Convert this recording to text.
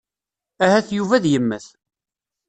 Ahat Yuba ad yemmet.